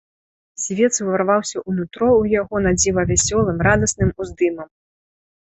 Сівец уварваўся ў нутро ў яго надзіва вясёлым, радасным уздымам.